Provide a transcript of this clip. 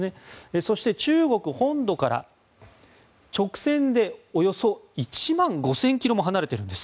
そして、中国本土から直線でおよそ１万５０００ｋｍも離れているんです。